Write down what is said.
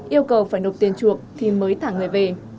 yêu cầu phải nộp tiền chuộc thì mới thả người về